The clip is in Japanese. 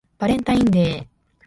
バレンタインデー